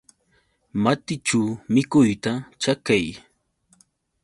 Matićhu mikuyta chakay.